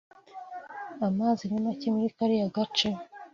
Amazi ni make muri kariya gace.